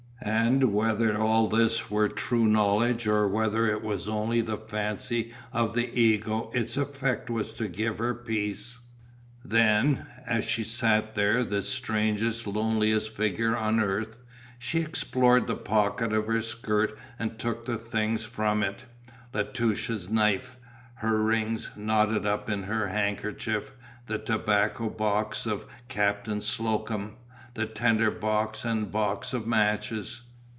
And whether all this were true knowledge or whether it was only the fancy of the ego its effect was to give her peace. Then, as she sat there the strangest lonely figure on earth, she explored the pocket of her skirt and took the things from it. La Touche's knife, her rings knotted up in her handkerchief, the tobacco box of Captain Slocum, the tinder box and box of matches.